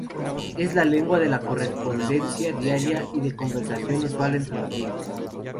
Es la lengua de la correspondencia diaria y de conversación usual entre los miembros.